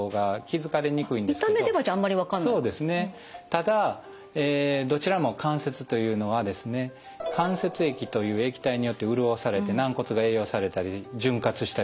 ただどちらも関節というのは関節液という液体によって潤されて軟骨が栄養されたり潤滑したりしてます。